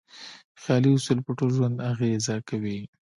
خیالي اصول په ټول ژوند اغېزه کوي.